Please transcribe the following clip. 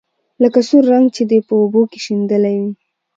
لکه سور رنګ چې دې په اوبو کې شېندلى وي.